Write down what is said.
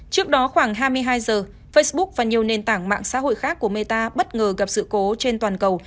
trước đó khoảng hai mươi hai giờ facebook và nhiều nền tảng mạng xã hội khác của meta bất ngờ gặp sự cố trên toàn cầu